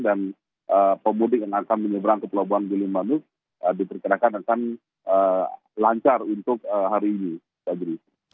dan pembudik yang akan menyeberang ke pelabuhan gili manuk diperkirakan akan lancar untuk hari ini pak juri